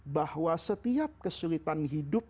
bahwa setiap kesulitan hidup